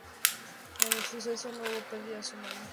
En el suceso no hubo perdidas humanas.